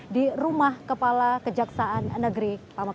di rumah kepala kejaksaan negeri paman